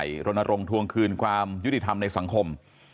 รณรงควงคืนความยุติธรรมในสังคม